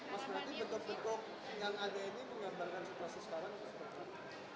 mas berarti betul betul yang ada ini mengambilkan situasi sekarang